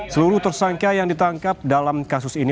seluruh tersangka yang ditangkap dalam kasus ini